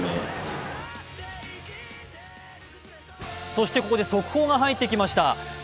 そしてここで速報が入ってきました。